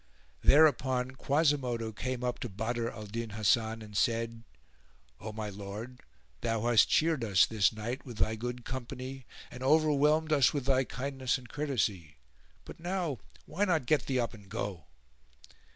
Thereupon Quasimodo came up to Badr al Din Hasan and said, "O my lord, thou hast cheered us this night with thy good company and overwhelmed us with thy kindness and courtesy; but now why not get thee up and go?"